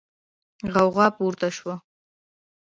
غوغا پورته شوه.